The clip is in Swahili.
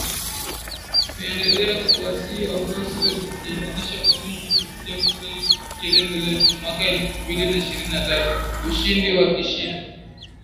Tunaendelea kuwasihi wafuasi wetu kujiandikisha kwa wingi kupiga kura ili tufikie lengo letu, mwaka elfu mbili na ishirini na tatu ushindi wa kishindo!!